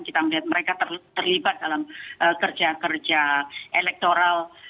kita melihat mereka terlibat dalam kerja kerja elektoral